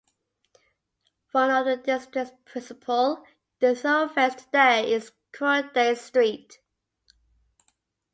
One of the district's principal thoroughfares today is Croudace Street.